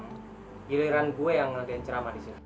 giliran gue yang ngegencer amat disini